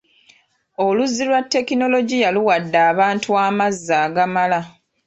Oluzzi olwa tekinologiya luwadde abantu amazzi agamala.